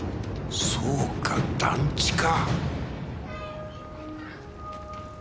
そうか団地か。